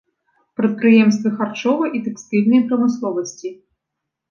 Прадпрыемствы харчовай і тэкстыльнай прамысловасці.